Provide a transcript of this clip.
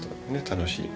楽しい。